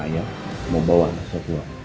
saya mau membawanya keluar